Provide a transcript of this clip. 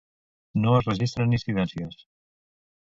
No es registren incidències.